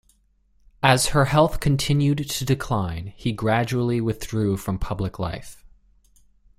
As her health continued to decline, he gradually withdrew from public life.